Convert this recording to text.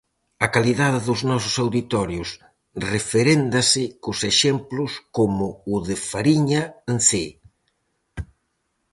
A calidade dos nosos auditorios referéndase cos exemplos como o de Fariña en Cee.